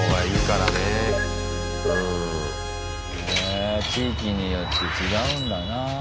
へ地域によって違うんだなぁ。